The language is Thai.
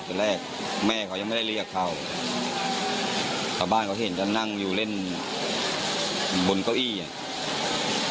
ตอนแรกแม่เขายังไม่ได้เรียกเข้าชาวบ้านเขาเห็นก็นั่งอยู่เล่นบนเก้าอี้อ่ะ